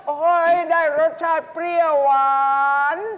โอ้โหได้รสชาติเปรี้ยวหวาน